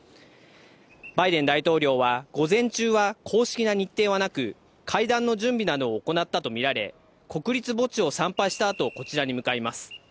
バイデン大統領は午前中は公式な日程はなく会談の準備などを行ったとみられ、国立墓地を参拝したあと、こちらに向かいます。